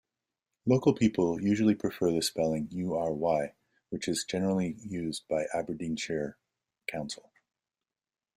Local people usually prefer the spelling "Ury" which is generally used by Aberdeenshire Council.